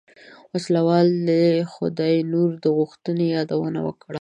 وسله وال د خداينور د غوښتنې يادونه وکړه.